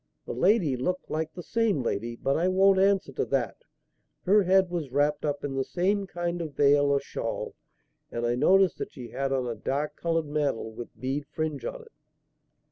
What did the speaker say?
The lady looked like the same lady, but I won't answer to that. Her head was wrapped up in the same kind of veil or shawl, and I noticed that she had on a dark coloured mantle with bead fringe on it.